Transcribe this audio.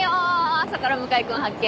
朝から向井君発見！